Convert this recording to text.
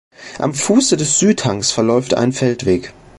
Am Fuße des Südhangs verläuft ein Feldweg.